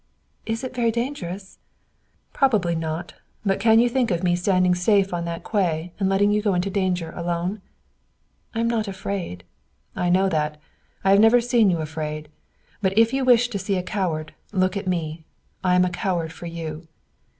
"Is it very dangerous?" "Probably not. But can you think of me standing safe on that quay and letting you go into danger alone?" "I am not afraid." "I know that. I have never seen you afraid. But if you wish to see a coward, look at me. I am a coward for you."